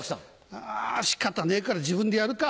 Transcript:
あ仕方ねえから自分でやるか。